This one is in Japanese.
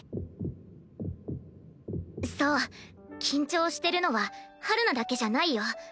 緊張してるのは陽菜だけじゃないよ。